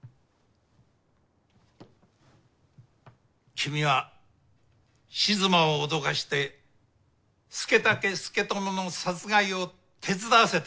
君は静馬を脅かして佐武佐智の殺害を手伝わせた。